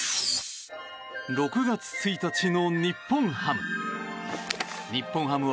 ６月１日の日本ハム。